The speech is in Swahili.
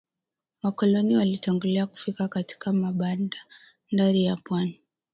Wakoloni walitangulia kufika katika mabandari ya pwani